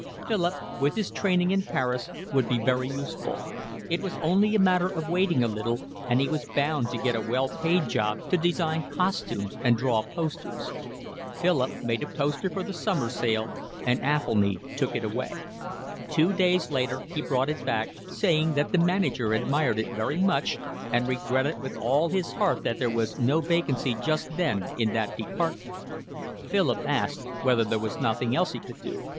Philip, with his training in Paris, would be very useful; it was only a matter of waiting a little and he was bound to get a well paid job to design costumes and draw posters. Philip made a poster for the summer sale and Athelny took it away. Two days later he brought it back, saying that the manager admired it very much and regretted with all his heart that there was no vacancy just then in that department. Philip asked whether there was nothing else he could do.